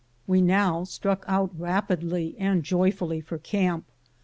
We now struck out rapidly and joyfully for camp.